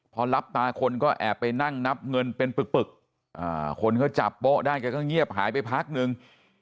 พอรับตาคนก็แอบไปนั่งนับเงินเป็นปึกคนก็จับโป๊ะได้แกก็เงียบหายไปพักนึง